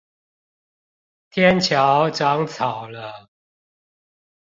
天橋長草了